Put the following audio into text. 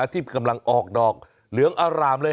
ที่กำลังออกดอกเหลืองอารามเลย